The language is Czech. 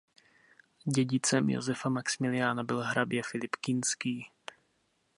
Dědicem Josefa Maxmiliána byl hrabě Filip Kinský.